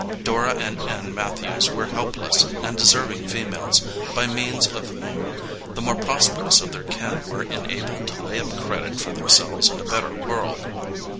Dora and Ann Matthews were helpless and deserving females by means of whom the more prosperous of their kin were enabled to lay up credit for themselves in a better World.